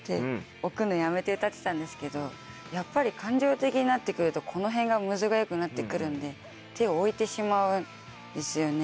置くのやめて歌ってたんですけどやっぱり感情的になって来るとこの辺がむずがゆくなって来るんで手を置いてしまうんですよね。